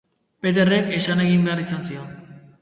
Peterrek esan egin behar izan zion.